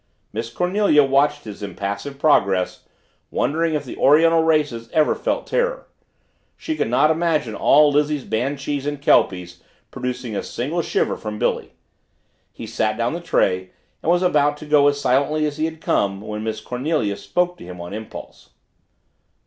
Miss Cornelia watched his impassive progress, wondering if the Oriental races ever felt terror she could not imagine all Lizzie's banshees and kelpies producing a single shiver from Billy. He set down the tray and was about to go as silently as he had come when Miss Cornelia spoke to him on impulse.